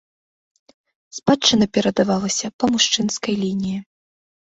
Спадчына перадавалася па мужчынскай лініі.